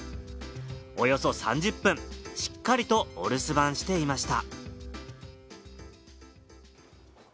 およそ３０分、しっかりとお留守番していました。